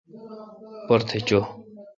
پرتھ چو۔